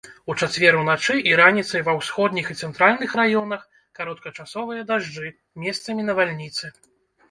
У чацвер уначы і раніцай ва ўсходніх і цэнтральных раёнах кароткачасовыя дажджы, месцамі навальніцы.